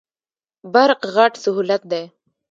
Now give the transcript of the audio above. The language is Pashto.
برق غټ سهولت دی.